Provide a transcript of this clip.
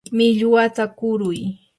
millwata kuruy.